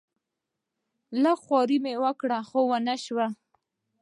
لږه خواري مې وکړه ونه شو.